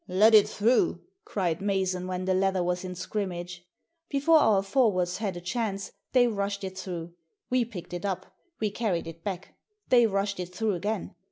" Let it through," cried Mason, when the leather was in scrimmage. Before our forwards had a chance they rushed it through. We picked it up; we carried it back. They rushed it through again.